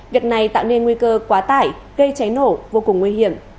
việc này tạo nên nguy cơ quá tải gây cháy nổ vô cùng nguy hiểm